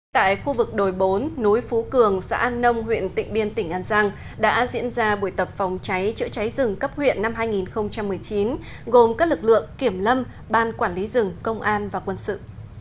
tại khu vực đồi bốn núi phú cường xã an nông huyện tỉnh biên tỉnh an giang đã diễn ra buổi tập phòng cháy chữa cháy rừng cấp huyện năm hai nghìn một mươi chín gồm các lực lượng kiểm lâm ban quản lý rừng công an và quân sự